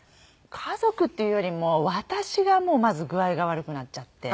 家族っていうよりも私がもうまず具合が悪くなっちゃって。